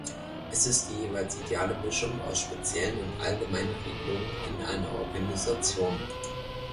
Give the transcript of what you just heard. Er ist die jeweils ideale Mischung aus speziellen und allgemeinen Regelungen in einer Organisation.